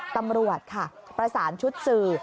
ตำรวจค่ะประสานชุดสื่อ